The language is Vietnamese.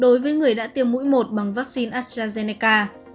đối với người đã tiêm mũi một bằng vaccine astrazeneca